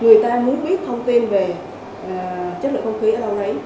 người ta muốn biết thông tin về chất lượng không khí ở đâu đấy